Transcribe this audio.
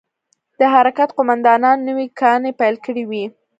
د حرکت قومندانانو نوې کانې پيل کړې وې.